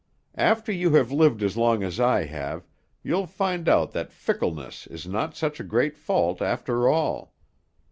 After you have lived as long as I have, you'll find out that fickleness is not such a great fault, after all.